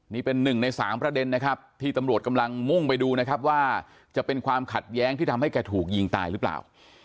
นี่เป็นหนึ่งในสามประเด็นนะครับที่ตำรวจกำลังมุ่งไปดูนะครับว่าจะเป็นความขัดแย้งที่ทำให้แกถูกยิงตายหรือเปล่า